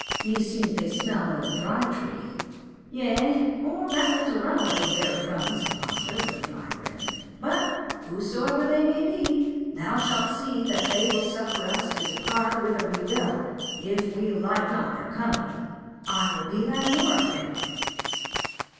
meseems they smell of the Dry Tree." "Yea, or rebels and runaways therefrom," said Roger, with a dry grin. "But whosoever they may be, thou shalt see that they will suffer us to depart whither we will, if we like not their company. I will be thy warrant thereof."